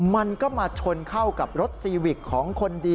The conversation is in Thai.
มันก็มาชนเข้ากับรถซีวิกของคนดี